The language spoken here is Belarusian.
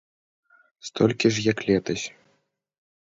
Столькі ж як летась.